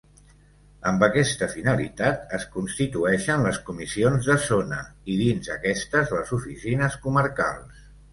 Amb aquesta finalitat es constitueixen les Comissions de Zona, i dins aquestes les Oficines Comarcals.